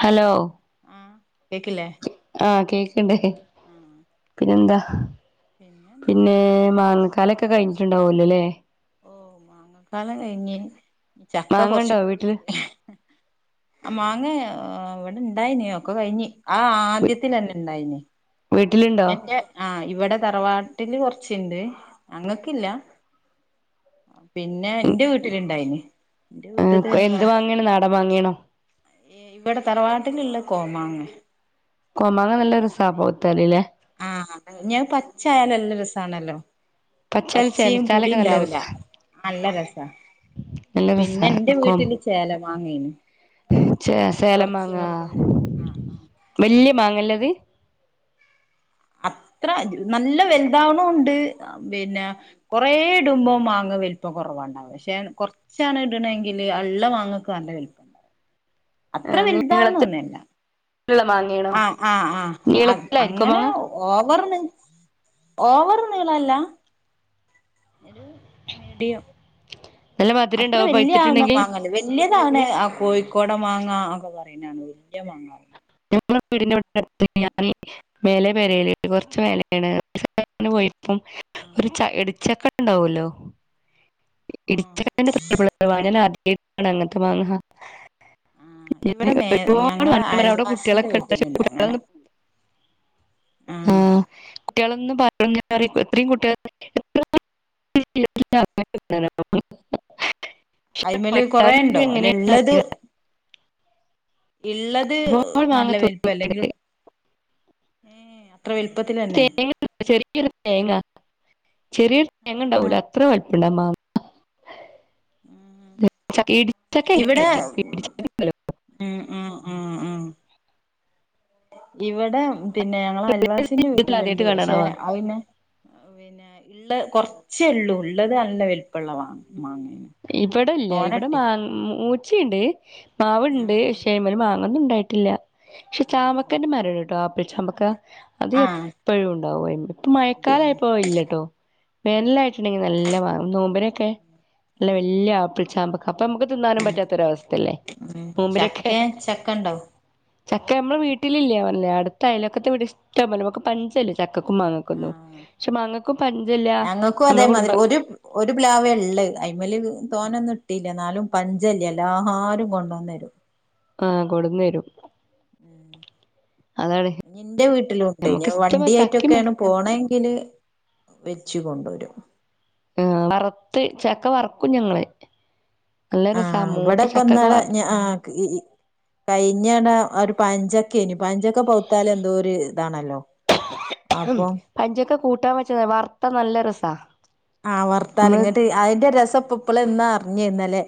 Hello മ്മ് കേക്കില്ലേ ആഹ് കേക്കണ്ടേ ആഹ് പിന്നെന്താ പിന്നെന്താ പിന്നെ മാങ്ങ കലയക്കെ കഴിഞ്ഞിട്ടുണ്ടാവലല്ലോല്ലേ ഓ മാങ്ങക്കാലം കഴിഞ്ഞ് ചക്ക കുറച്ച മാങ്ങണ്ടോ കൂടി വീട്ടില് മാങ്ങ അവിടെ ഇണ്ടായി നീ ഒക്കെ കഴിഞ് ആ ആദ്യത്തിന്നെ ഇണ്ടായിന് വീട്ടിലുണ്ടോ എന്റെ ആഹ് ഇവിടെ തറവാട്ടില് കൊറച്ചുണ്ട് അങ്ങളക്കില്ല പിന്നെ എന്റെ വീട്ടിലുണ്ടായിന് എന്റെ ഉം വീട്ടിത്തെ എന്ത് വാങ്ങീണം നാടൻ വാങ്ങിയണം ഇ ഇവിടെ തറവാട്ടിലുള്ള കോമാങ്ങ കോമാങ്ങ നല്ല [unintelligible] ആഹ് ഹ് ഞാൻ പച്ച നല്ല രസാണല്ലോ പച്ചാല് പച്ചയും ചേനച്ചാലൊക്കെ പുളിയും നല്ല ഉണ്ടാവൂല രസാ നല്ല രസ നല്ല രസാ പിന്നെ എന്റെ വീട്ടില് ചേലം വാങ്ങന് ച സേലംമാങ്ങ ആഹ് ആഹ് വലിയ മാങ്ങല്ലത് അത്ര നല്ല വലുതാവണണ്ട് പിന്നെ കൊറ ഇടുമ്പോ വാങ്ങ വലുപ്പം കുറവാണ്ടാവും പക്ഷെ കുറച്ചാണ് ഇടണമെങ്കില് അള്ള മാങ്ങക്ക് നല്ല വലുപ്പംണ്ടാവും അത്ര നീളത്തിലുള്ള വലുതാണമെന്നില്ല മാങ്ങയാണോ ആഹ് ആഹ് ആഹ് നീളത്തിലായിരിക്കോ അങ്ങനെ മാങ്ങ ഓവറിന്ന് ഓവർ നീളല്ല ഒരു മീഡിയം നല്ല മതിരം ഉണ്ടാവ പഴത്തിട്ടുണ്ടെങ്കി ണ് ആ കോഴിക്കോട മാങ്ങ ഒക്കെ പറയുന്നാന്ന് വല്ല്യ മാങ്ങ ഞ വീടിവി ഞ വല വരല് കുറച്ച് വലയാണ് പോ അപ്പം ഒരു ച ഇടിച്ചക്ക ണ്ടാവല്ലോ ആഹ് ഇടിച്ച പിന്ന താ അങ്ങനെത്ത മാങ്ങ ആ ഇവിടെ മേ ഞങ്ങളെ അയൽവാസിന്റെ [unintelligible] ആഹ് കുട്ടികളെന്ന് പറഞ്ഞ എത്രയും കുട്ടികൾ [unintelligible] പക്ഷെ അതിമേല് കുറെ കൊയ്ത്താലും ഉണ്ടോ അല്ല എങ്ങനെയാണെന്ന് ഉള്ളത് അറിയില്ല ഉള്ളത് ഒരുപാട് നല്ല മാങ്ങ വലിപ്പം അല്ലെങ്കിൽ തോന്നിയിട്ടുണ്ട് ഏഹ് തേങ്ങ ചെറിയൊരു തേങ്ങ ചെറിയൊരു തേങ്ങ ഉണ്ടാവൂലോ അത്ര വളുപ്പം ഇണ്ട മാ ഇടിച്ചക്ക ഇവിടെ [unintelligible] ഉം ഉം ഉം ഉം ഇവിടെ പിന്നെ ഞങ്ങളെ അൽവാസിന്റെ ജീവിതത്തിൽ വീട്ടിലുണ്ട് ആദ്യമായിട്ട് കാണാനാ പക്ഷെ മാങ്ങ അ പിന്നെ പിന്നെ ഉള്ള കുറച്ച ഉള്ളൂ ഉള്ളത് നല്ല വലുപ്പള്ളമാണ് ഇവിടല്ല ഇവിടെ മാ മൂ ച്ചിണ്ട് മാവ്ണ്ട് ഉം ഉം ശേമല് മാ ഒന്നും ഉണ്ടായിട്ടില്ല പക്ഷെ ചാമക്കന്റെ മരം ണ്ട് ട്ടോ പിച്ചാമ്പക്ക അത് ആ ആ ആ എപ്പോഴും ഉ ണ്ടാവുണ്ട് ഇപ്പ ഉം മയക്കാലായപ്പോ ഇല്ലട്ടോ വേനലായിട്ടുണ്ടെങ്കിൽ നല്ല മാ നോമ്പിന് ഒക്കെ ഉം അല്ല ഉം വല്യ ആപ്പിൾ ചാമ്പ അപ്പൊ നമുക്ക് തിന്നാനും ഉം പറ്റാത്തൊരവസ്ഥല്ലേ ഉം നോമ്പിനൊക്കെ ചക്കെ ചക്കണ്ടോ ചക്ക നമ്മള് വീട്ടിലില്ല പറഞ്ഞില്ലേ അടുത്തയൽവക്കത്തെ വീട് ഇഷ്ടം പോലെ നമക്ക് പഞ്ചല്ല ചക് ക്കക്കും മാങ്ങക്കൊന്നും പക്ഷെ മാങ്ങക്കും പഞ്ചല്ല ഞങ്ങക്കും നമ്മെ കുടുംബ അതേമാതിരി മല് തോനൊന്നും ഇട്ടില്ല എന്നാലും പഞ്ചല്ല എല്ലാഅരും കൊണ്ടു വന്നരും ആഹ് കൊടുന്ന് തരും ഇന്റെ വീട്ടിലുണ്ട്, ഇഞ്ഞ് നമുക്ക് ഇഷ്ടം ചക്കിം വണ്ടിയൊറ്റെക്കെയാണ് പോണെങ്കില് വെച്ച് കൊണ്ടുവരും ആ വറുത്ത് ചക്ക വറക്കും ഞങ്ങള് നല്ല രസാ ആഹ് മൂത്ത ചക്കൊക്കെ ഇവിടെപ്പന്നാൾ വറ ഞാ ആ കിഹിഹി കഴിഞ്ഞട ഒരു പഞ്ചക്കെനു പഞ്ചൊക്ക പൗത്താല് എന്തോ ഒര് ഇതാണല്ലോ അപ്പം [unintelligible] പഞ്ചൊക്ക കൂ ട്ടാൻ വെച്ച വർത്ത നല്ല രസാ ആഹ് വർത്താൽ നമ്മള് ഇങ്ങട്ട് അതിന്റെ രസപ്പപ്പള എന്നാ ഇഞ്ഞ ഇന്നലേ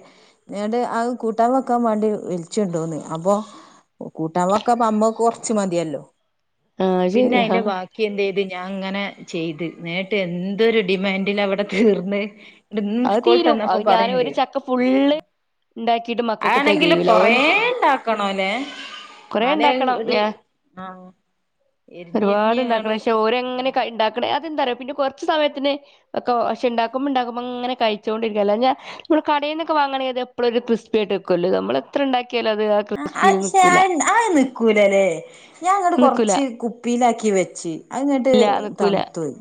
ന്നോട് ആ കൂട്ടാൻ വെക്കാൻ വേണ്ടി വിളിച്ചുണ്ടോന്ന് അപ്പൊ കൂട്ടാൻ വക്കാപ്പ അമ്മ കൊറച്ച് മതിയല്ലോ ആഹ് പിന്നെ ശരിയാ അയിന്റെ ബാക്കി എന്ത് ചെയ്തു ഞാൻ അങ്ങനെ ചെയ്ത് നേട്ട് എന്തൊരു ഡിമാൻഡ് ടിലാ വിട തീർന്ന് അത് സ്കൂളിട്ട് തീരും, വന്നപ്പോ അത് ഞാൻ ഒരു പറയണ്ട് ചക്ക ആഹ് ഫുള്ള് ഒണ്ടാക്കിട്ട് മക്കൾക്ക് അതാണെങ്കില് തികയൂല, കൊറേ ഓല് ഇണ്ടാക്കണോല്ലേ കൊറേ എന്നാലേ ഒണ്ടാക്കണം അത് ഞാൻ ആഹ് എരിഞ്ഞ് എരിഞ്ഞ് അങ്ങട് ഒരുപാട്ണ്ടാക്കണം, ക്ഷെ ഉം ഓരങ്ങനെ ഇണ്ടാക്കണെ എന്താ പിന്നെ കൊറച്ച് സമയത്തിന് ഒക്കെ ക്ഷെ ഒണ്ടാക്കുമ്പോ ണ്ടാക്കുമ്പോ ഇങ്ങനെ കഴിച്ചോണ്ടിരിക്കുവല്ലെ ഞാ മ്മള് കടേ ന്നൊക്കെ വാങ്ങണേനെപ്പളൊരു ക്രിസ്പിയായിട്ട്ക്കുവല്ലോ നമ്മളെത്ര എണ്ടാ ആ ആ ശേ ആ ആയ് നിക്കൂലല്ലേ ഞാൻ ങ്ങട്ട് നിക്കൂല കൊറച്ച് കുപ്പിലാക്കി ക്കി വെച്ചി അത്ങ്ങട്ട് ഇല്ല നിക്കൂല തണുത്തുപോയ്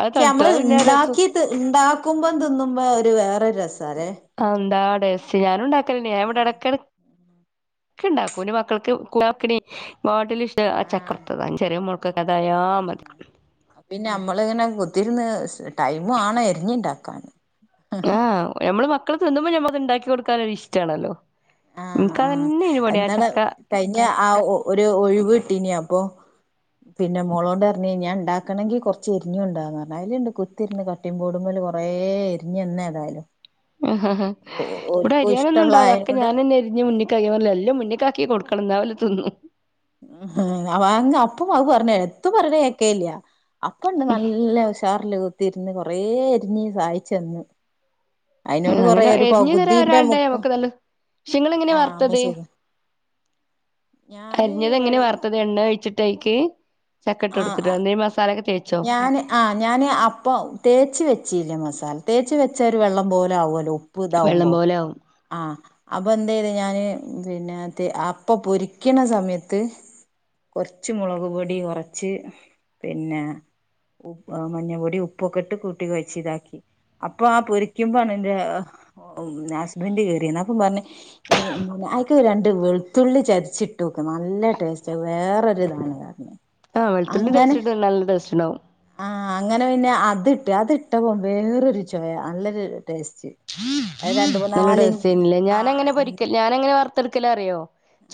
അത് ഷെ തണുത്തു മ്മള് അത് പിന്നെ രസം ണ്ടാക്കിട്ട് ണ്ടാക്കുമ്പോം തിന്നുമ്പോ ഒരു വേറൊരു ര കാന്താ ഡേ ഫ്യാനും ഉണ്ടാക്കലന്നെ ഞാഇവിടെവിട കട് ക്കെണ്ടാക്കും ന്റെ മക്കൾക്ക് കുടാക്കിണി ഹോട്ടലിഷ് ട് ആ ആഹ് ചക്കവറത്തത് ചെറിയ മോൾ ക്ക കഥായാ മതി [unintelligible] പിന്നെ മ്മള് ഇങ്ങനെ കുത്തിരുന്ന് സ് ടൈമു ആണ്‌ എരിഞ്ഞുണ്ടാക്കാന് ആ ഞമ്മളെ മക്കള് തിന്നുമ്പോ ഞമ്മള ത്ണ്ടാക്കി കൊടുക്കാനൊരു ഇഷ്ട്ടാണല്ലോ ആ ആ എന്നാണ് കഴിഞ്ഞ ആ ഒ ഒ രു ഒഴിവ് കിട്ടിനി അപ്പോ പിന്നെ മോളോട് പറഞ്ഞ് ഞാ ഇണ്ടാക്കണെങ്കി കൊറച്ച് എരിഞ്ഞു കൊണ്ടാന്ന് പറഞ്ഞ് അയിലിണ്ട് കുത്തിരുന്ന് കട്ടിങ്ങ് ബോഡുമില് കൊറേ എരിഞ്ഞ് തന്നേതായാലും [unintelligible] ഇവിടെ അരിയാനൊന്നും ഇഷ്ടമുള്ള ഉണ്ടാവില്ല ഒക്കെ ആയതോണ്ട് ഞാൻതന്നെ അരി ഞ്ഞി മുന്നിക്കായ് പറഞ്ഞില്ലെ എല്ലാം മുന്നിക്കാക്കി കൊടുക്കണം എന്നാ ഓല് തിന്നും മ് അവങ് അപ്പു പാവ്വർന്നെ എത്തും പറഞ്ഞ കേക്കേല്ല അപ്പണ്ട് നല്ല ഉഷാറില് ത്തിരുന്ന് കൊറേ അരിഞ്ഞ് സഹായിച്ച് തന്നു അയിനോട് കൊറേ അങ്ങനെ ഒരു പകുതീന്റെ മുക്കാ ഷെ ങ്ങളെങ്ങനെയാ വറത്തത് ഞാന് അരിഞ്ഞത് എങ്ങനെ വെളി വറ്ത്തത് എണ്ണ ഒഴിച്ചി ഡൈക്ക് ചക്കട്ട്കൊടുത്തിട്ട് ആഹ് നീ മസാലയൊക്കെ തേ ഞാന് ആ ഞാന് അപ്പ തേച്ച് വെച്ചില്ല മസ് സാല തേച്ച് വെച്ച ഒരു വെള്ളം പോലെ ആവുല്ലോ ഉപ്പ് ഇതാവുമ്പോ വെള്ളം പോലെ ആവും ആ അപ്പൊ ന്നെയ്ത് ഞാന് പിന്നെ അപ്പ പൊരിക്കണ സമയത്ത് കൊറച്ച് മുളക് പൊടി കൊറച്ച് പിന്നെ മഞ്ഞ പൊടി ഉപ്പൊക്കെ ഇട്ട് കൂട്ടി വെച്ച് ഇതാക്കി അപ്പൊ ആ പൊരിക്കുമ്പോണ് എന്റെ ഹസ്ബൻഡ് കേറിന്ന് അപ്പൊ പറഞ്ഞ് [unintelligible] ക്ക് രണ്ട് വെളുത്തുള്ളി ചതച്ചിട്ട് നോക്ക് നല്ല ടേസ്റ്റാ വേറൊരു ഇതാണ് ആ വെളുത്തുള്ളി അരച്ചിട്ട നല്ല ടെസ്റ്റ്‌ ഇണ്ടാവും ആ അങ്ങനെ പിന്നെ അതിട്ട് അതിട്ടപ്പോ വേറൊരു ചോയ നല്ലൊരു ടേസ്റ്റ് അത് രണ്ട് നല്ല മൂന്നാല് ടേസ്റ്റ്നല്ലേ ഞാനങ്ങനെ ആഹ് പൊരിക്ക ഞാനങ്ങനെ വർ വറുത്തെടുക്കൽ അറിയോ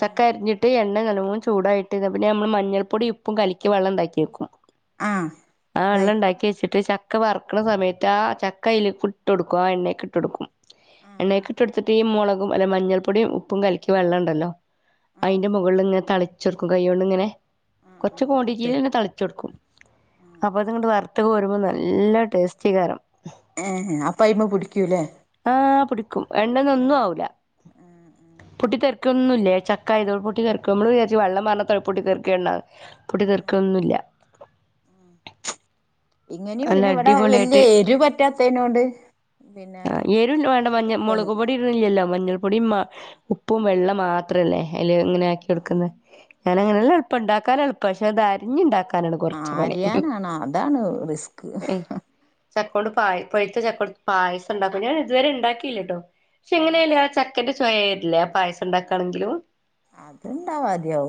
ആഹ് അരിഞ്ഞിട്ട് എ നല്ലോണം ചൂടായിട്ട് പിന്നെ നമ്മള് മഞ്ഞൾപ്പൊടി ഉപ്പും കലിക്കി വെള്ളം ഉണ്ടാക്കി വെക്കും ആഹ് ആഹ് അതായി വെള്ളം ഉണ്ടാക്കി വെച്ചിട്ട് ച ചക്ക വറക്കണ സമയത്ത് ആ ചക്ക അയിലേക്ക് ഇട്ട് കൊടുക്കും ആ എണേക്ക് ട്ട്ടുക്കും ആഹ് ആഹ് എണ്ണക്ക് ഇട്ടെടുത്തിട്ട് ഈ മോ മുളകും അല്ല മഞ്ഞൾപ്പൊടിയും ഉപ്പും കലക്കി വെള്ള ഉണ്ടല്ലോ ആഹ് അയിന്റെ മുകളിൽ ഇങനെ തളി ചെർക്കും കൈയോണ്ട് ഇങ്ങനെ ആഹ് കുറച്ച് ആഹ് വെള്ളത്ത് ക്വാണ്ടിറ്റിയിൽ ഇങ്ങനെ തളിച്ച് കൊടുക്കും ആഹ് ആഹ് അപ്പൊ അത്ങ്ങട്ട് വർ ത്ത് കോരുമ്പോൾ നല്ല ടേസ്റ്റി കാരം ഏഹ്ഹെ അപ്പം അയിമേ പിടിക്കൂലേ ആഹ് പിടി ടിക്കും എണ്ണെന്നൊന്നും ആവുല്ല ആഹ് ആഹ് പൊട്ടിത്തെറി ക്കൊന്നുല്ലാ ചക്കായതോ പൊട്ടി തർക്കും നമ്മള് വിചാരിച്ച് വെള്ളം മറണ തോ പൊട്ടി തീർക്കണ്ട ആഹ് പൊട്ടിതെക്കൊന്നുവില്ല ആഹ് ഇങ്ങനെയും പിന്നെ ഇവിടെ വല്ല്യ എരുപ റ്റാത്തേനോട് ആഹ് എരും വേണ്ട മഞ്ഞ മുളക് പൊടി ഇടുന്നില്ലല്ലോ മഞ്ഞൾപ്പൊടി മ ആഹ് ആഹ് ഉപ് പ്പും വെള്ളം മാത്രമല്ലേ അയില് അങ്ങനെയാക്കി ആഹ് എടുക്കുന്നേ ഞാൻ അങ്ങനെല്ല എളുപ്പ ഇണ്ടാക്കാൻ എളുപ്പ പക്ഷേ അത് അരിഞ്ഞുണ്ടാക്ക ആരിയാനാണ് അതാണ് റിസ്ക് ചക്കയോട് പായ് പഴത്ത ചക്കോട് പായസ ഉണ്ടാക്ക ഞാൻ ഇതുവരെ ഉണ്ടാക്കിയില്ലേട്ടോ പക്ഷെ ഉം ഇങ്ങനെയല്ലാ ച ചക്കെന്റെ ചോയവര്ല്ലെ പായസോണ്ടാക്കാണെങ്കിലും അത്ണ്ടവും ആദ്യം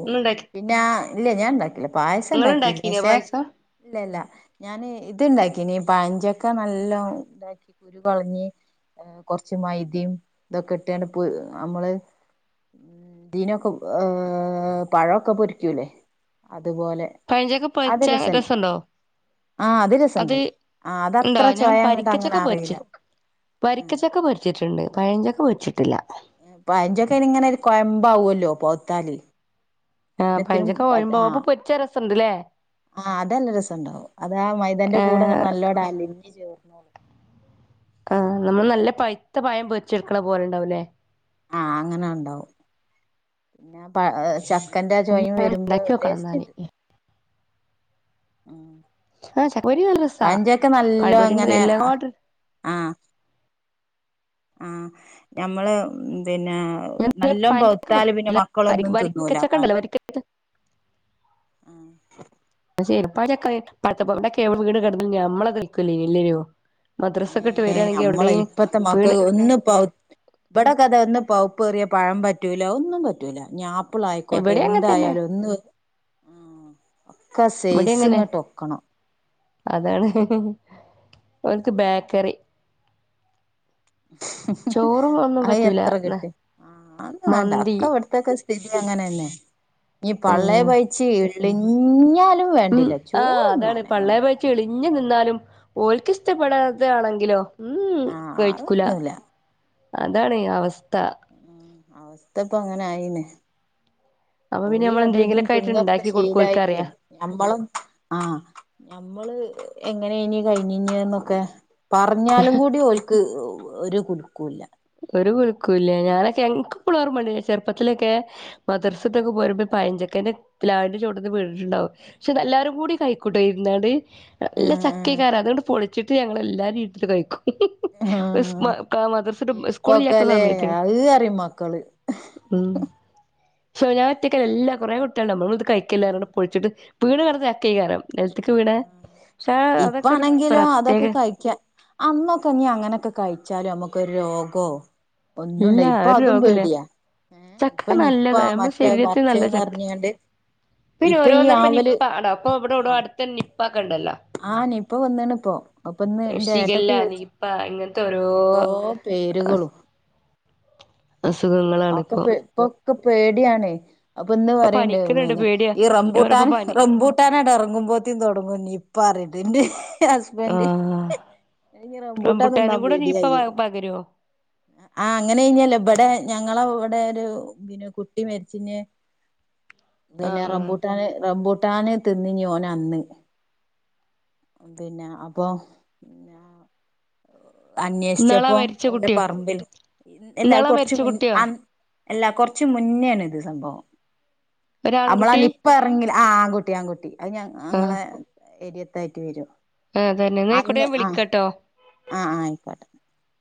പിന്നാ ഇല്ല ഞാൻ ഉണ്ടാക്കിലാ പായസം ഇങ്ങള് ഇണ്ടാക്കീല ഉണ്ടാക്കീനോ പക്ഷെ പായസം ഇല്ലല്ല ഞാൻ ഇതുണ്ടാക്കിനി പഴഞ്ചക്ക നല്ലോം താക്കി കുരു കളഞ്ഞ് കൊറച്ച് മൈദയും ഇതൊക്കെ ഇട്ടാണ്ട് നമ്മള് ഇനൊക്കെ ഏഹ് പഴൊക്കെ പൊരിക്കൂല്ലേ അ പയംചക്ക പൊരിച്ചാ രസുണ്ടോ ആഹ് അത് രസണ്ട് ആഹ് ഇണ്ടോ അതത്ര ഞാൻ ചൊയ അങ്ങട്ട് അങ്ങനെ വരിക്കച്ചക്ക അറിയില്ല പൊരിച്ച് ആഹ് വരിക്കച്ചക്ക പൊരച്ചിട്ടുണ്ട് പഴഞ്ചക്ക പൊരിച്ചിട്ടില്ല പയഞ്ചക്ക അയിനിങ്ങനെ ഒരു കൊയമ്പാവൊല്ലോ പോത്താല് ആഹ് പഴഞ്ചക്ക കൊയമ്പാവും അപ്പൊ പൊരിച്ചാ സണ്ട്ല്ലേ ആഹ് അതല്ല രസംണ്ടാവും അതാ മൈതന്റെ ഏ കൂടെങ്ങനെ നല്ലോടലിഞ്ഞ് ചേർ ആ നമ്മൾ നല്ല പഴുത്ത പഴം പൊരിച്ചെടുക്കണ പോലണ്ടാവൂല്ലേ ആ അങ്ങനെ ഉണ്ടാവും പിന്നെ പ- ക്കന്റ ചോയും ഞാൻ വരുമ്പോ ഉണ്ടാക്കി നോക്കണം ടേസ്റ്റ് എന്നാല് ണ്ട് ഉം ചക്കപൊരി നല്ല രസാ പഴഞ്ചക്ക പഴം നല്ലോ പൊരി അങ്ങനെ തിന്ന്ണകാട്ടിലും ആ നമ്മള് പിന്നെ ഞാൻ നല്ലോം പഴഞ്ചക്ക പൗത്താല് പിന്നെ മക്കളൊന്നും തിന്നൂല വരിക്കച്ചക്ക അതാണ് ഉണ്ടല്ലോ വരിക്ക ആഹ് പൊക്കെ [unintelligible] വീണ്കിടന്ന നമ്മളെ എടുക്കല ഇല്ലേഞ്ഞോ നമ്മളെ ഇപ്പത്തെ മക്കൾ വീണ് ഒന്ന് പൊ [unintelligible] ഇവിടെക്കെ ഒന്ന് പൗപ്പേറിയ പഴം പറ്റൂല്ല ഒന്നും പറ്റൂല്ല ഞാ എപ്പളായിക്കോട്ടെ ഇവിടെ അങ്ങനെ തന്നെ എന്തായാലും ഒന്ന് ഉം ഇവിടെ ഇങ്ങനെ അതാണ് ഓൽക്ക് ബേക്കറി ചോറും ഒന്നും അ പറ്റൂല എത്ര ന്ന് കിട്ടി ആ തെന്നും വേണ്ട മന്തി അവിടത്തക്കെ സ്ഥിതി അങ്ങനെന്നെ ഈ പള്ളെ പഴച്ച് ളിഞ്ഞാൽ ഉ ആഹ് അതാണ് പള്ളെ പോയി ഇളിഞ്ഞു നിന്നാലും ഓക്ക് ആഹ് ഇഷ്ടപ്പെടാതൊണെങ്കിലോ ഉം ആഹ് കഴിക്കൂല അതൊന്നുല്ല അതാണ് അവസ് ത്ത ഉം അവസ്ഥ ഇപ്പോ അങ്ങനെ ആയിന് അപ്പൊ പിന്നെ ഓലി നമ്മൾ അത് ഇതും എന്തെങ്കിലൊക്കെ ആയിട്ട് തിന്നൊക്കെ ഇണ്ടാക്കി കൊടുക്കും ഓൽക്കറിയാ ശീലായിട്ടേ ഞമ്മളും ആ ഞമ്മള് എങ്ങനെ ഇനി കഴഞ്ഞിഞ്ഞിന്നൊക്കെ. പറഞ്ഞാലും കൂടി ഓൽക്ക് ഒരു കുലുക്കുല്ല. ഒരു കുലുക്കല്ല ഞാനൊക്കെ എങ്ങ്ക് ഇപ്പളും ഓർമ്മയുണ്ട് ചെറുപ്പത്തിലൊക്കെ മദർസത്തൊക്കെ പോരുമ്പോ പഴഞ്ചൻ [unintelligible] പ്ലാവിന്റെ ചോട്ടന്ന് വീണിട്ടുണ്ടാവും, ക്ഷേ എല്ലാവാരും കൂടി കൈക്കോട്ടും ഇരുന്നണ്ട് നല്ല ചക്കികാര അതുകൊണ്ട് പൊളി ച്ചിട്ട് ഞങ്ങളെല്ലാരും വീട്ടിൽ കഴിക്കും. സ് മ മദർസ് ഇപ്പോക്കല്ലേ അത് അറിയ മക്കള് സോ ഞാൻ ഒറ്റയ്ക്കല്ല എല്ലാം കൊറെ കുട് ട്ടല്ല നമ്മള് ഇത് കഴിക്കലില്ല ഉം പറഞ്ഞ് പൊളിച്ചിട്ട് വീട് വെറുതെ അക്കെകാരം ആ ഒരു ഇപ്പാണെങ്കിലും പ്രത്യേക അതൊക്കെ കഴിക്കാ, അന്നൊക്കെ നീ അങ്ങനൊക്കെ കഴിക് ച്ചാലും നമ്മക്കൊരു രോഗോ ഒന്നുംണ്ട ഇല്ല ഇപ്പ ഒരു അതും രോഗല്ല പേടിയാ, ഏ ചക്ക ഇപ്പ നിപ്പ നല്ലതാ നമ്മുടെ മറ്റേ ശരീരത്തിന് നല്ല മർച്ചെന്ന് ചക്ക അറിഞ്ഞണ്ട് പിന്നെ ഓരോന്നപ്പ നിപ്പ [unintelligible] അപ്പോ ഇവിടെ എവിടോ അടുത്ത നിപ് ആ നിപ്പ വന്നാണ് ഇപ്പോ അപ്പൊ ഇന്ന് ന്റെ ഷിഗല്ല ഏട്ടത്തി [unintelligible] നിപ്പ ഇങ്ങനത്തെ ആ ഓരോ പേരുകളും അസുഖങ്ങളാണിപ്പോ. ക്ക്‌ പേടിയാണേ. അപ്പോ ഇന്ന് പറയിണ്ടേ പനിക്കണണ്ട് മീനെ പേടിയാ ഈ ഞാൻ റംബൂട്ടാൻ പറയപ്പ പനി റംബൂട്ടാനാടെ ഇറങ്ങുമ്പോത്തേും തൊടങ്ങും നിപ്പ അറി ത്തിൻ്റെ [unintelligible] ഹസ്ബൻഡ് ആഹ് ഇനി റംബൂട്ടാൻ തിന്നാൻ റംബുട്ടാനും കൂടെ നിപ്പ പ പേടിയായിരിക്കും, പകരുവോ ആ ഇങ്ങനെ ഇനിയല്ലേ ഇബടെ ഞങ്ങള ഇവിടെ ഒരു പിന്നെ കുട്ടി മരിച്ചിന് പിന്നെ ആഹ് റമ്പുട്ടാന് റംബു റമ്പുട്ടാന് തിന്ന് ഓൻ അന്ന് പിന്നെ അപ്പൊ ഇന്നാളാ അന്വേഷിച്ചപ്പോ മരിച്ച ഓന്റെ കുട്ടിയോ പറമ്പിൽ എല്ല ഇന്നാളാ കുറച്ച് മരിച്ച മു കുട്ടിയോ ആ അല്ല കൊറച്ച് മുന്നേണ് ഇത് സംഭവം നമ്മളെ ആ ഒരാൺകുട്ടി നിപ്പ ഇറങ്ങില ആ ആൺ കുട്ടി ആൺകുട്ടി അത് ഞ ഞങ്ങളെ ഏരിയ തായിട്ടി വരും ആ അതന്നെ എന്നായിക്കൂടെ അന്ന് ഞാൻ ആ വിളിക്കട്ടോ [inaudible]